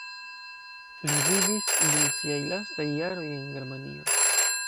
Li vivis dum siaj lastaj jaroj en Germanio.